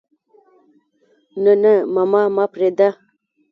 نه نه ماما ما پرېده.